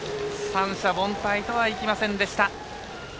三者凡退とはいきませんでした。